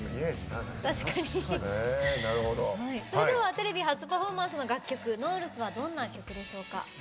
テレビ初パフォーマンスの楽曲「ノールス」はどんな曲でしょうか？